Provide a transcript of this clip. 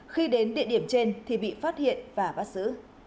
khi đến địa điểm trên thì bị phát hiện và bắt giữ